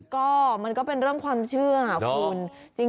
ก็มันก็เป็นเรื่องความเชื่อคุณ